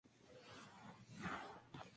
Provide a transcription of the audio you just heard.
D. E. Wilson and D. M. Reeder eds.